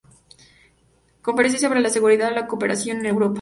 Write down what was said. Conferencia sobre la Seguridad y la Cooperación en Europa